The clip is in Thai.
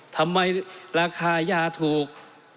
ทำไมราคายาถูก